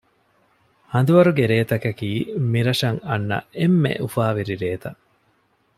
ހަނދުވަރުގެ ރޭތަކަކީ މިރަށަށް އަންނަ އެންމެ އުފާވެރި ރޭތައް